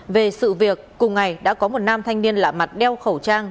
về sự việc cùng ngày đã có một nam thanh niên lạ mặt đeo khẩu trang